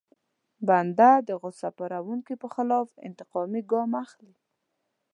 بنده د غوسه پاروونکي په خلاف انتقامي ګام اخلي.